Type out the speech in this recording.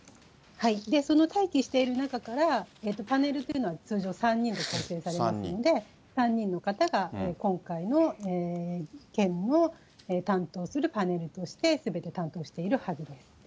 その待機している中から、パネルというのは通常３人で構成されていますので、３人の方が今回の件を担当するパネルとして、すべて担当しているはずです。